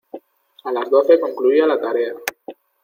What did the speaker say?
A las doce concluía la tarea.